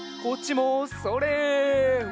こっちもそれ！